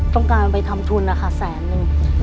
ต้องการไปทำทุนนะคะแสนนึง